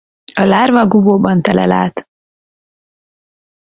A lárva gubóban telel át.